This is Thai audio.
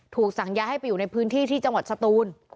สั่งย้ายให้ไปอยู่ในพื้นที่ที่จังหวัดสตูน